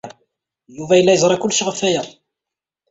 Yuba yella yeẓra kullec ɣef waya.